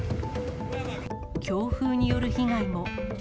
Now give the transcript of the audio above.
強風による被害も。